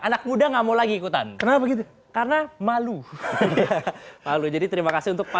anak muda nggak mau lagi ikutan kenapa gitu karena malu lalu jadi terima kasih untuk pak